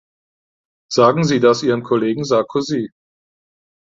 Sagen Sie das Ihrem Kollegen Sarkozy.